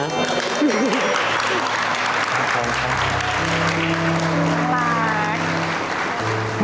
ขอบคุณครับ